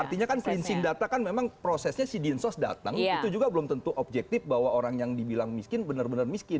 artinya kan cleansing data kan memang prosesnya si dinsos datang itu juga belum tentu objektif bahwa orang yang dibilang miskin benar benar miskin